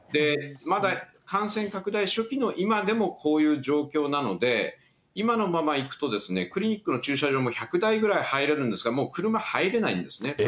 まだ感染拡大初期の今でもこういう状況なので、今のままいくとですね、クリニックの駐車場、１００台ぐらい入れるんですが、もう車入れないんですね。